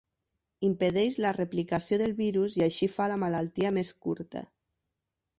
Impedeix la replicació del virus i així fa la malaltia més curta.